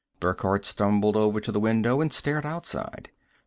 Burckhardt stumbled over to the window and stared outside.